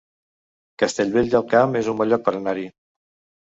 Castellvell del Camp es un bon lloc per anar-hi